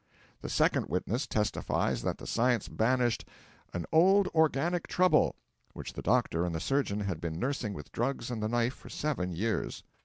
The second witness testifies that the Science banished 'an old organic trouble' which the doctor and the surgeon had been nursing with drugs and the knife for seven years.